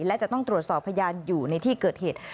และจะต้องตรวจสอบพยานอยู่ในที่เกิดเหตุ